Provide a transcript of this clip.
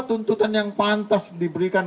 tuntutan yang pantas diberikan